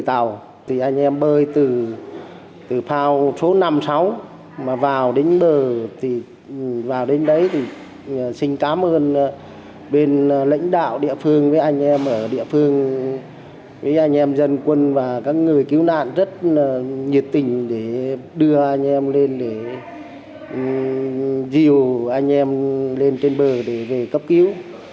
tàu thì anh em bơi từ phao số năm mươi sáu mà vào đến bờ thì vào đến đấy thì xin cám ơn bên lãnh đạo địa phương với anh em ở địa phương với anh em dân quân và các người cứu nạn rất nhiệt tình để đưa anh em lên để dìu anh em lên trên bờ để về cấp cứu